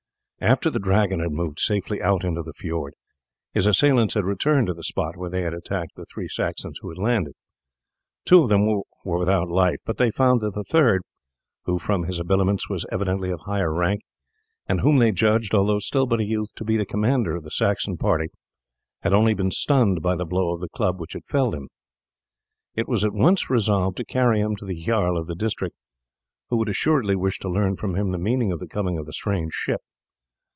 After the Dragon had moved safely out into the fiord, its assailants had returned to the spot where they had attacked the three Saxons who had landed. Two of them were without life, but they found that the third, who, from his habiliments was evidently of higher rank, and whom they judged, although still but a youth, to be the commander of the Saxon party, had only been stunned by the blow of the club which had felled him. It was at once resolved to carry him to the jarl of the district, who would assuredly wish to learn from him the meaning of the coming of the strange ship.